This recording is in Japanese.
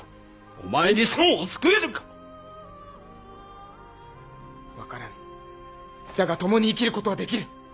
お前にサンを救えるか⁉分からぬだが共に生きることはできる！